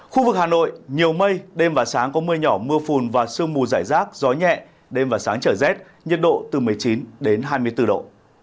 khu vực hà nội nhiều mây đêm và sáng có mưa nhỏ mưa phùn và sương mù giải rác gió nhẹ đêm và sáng trở rét nhiệt độ từ một mươi chín đến hai mươi bốn độ